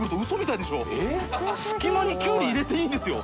隙間にキュウリ入れていいんですよ。